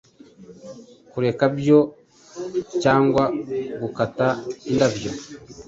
Kureka byoe cyangwa gukata indabyo